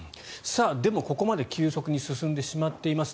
でも、ここまで急速に進んでしまっています。